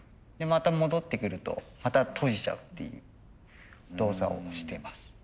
また戻ってくるとまた閉じちゃうっていう動作をしてます。